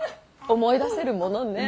思い出せるものね。